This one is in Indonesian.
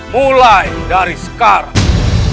mulai dari sekarang